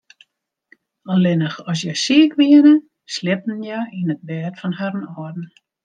Allinnich as hja siik wiene, sliepten hja yn it bêd fan harren âlden.